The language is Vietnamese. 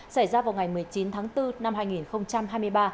xảy ra vào ngày một mươi chín tháng bốn năm hai nghìn một mươi chín